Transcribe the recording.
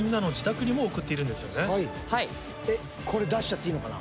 えっこれ出しちゃっていいのかな？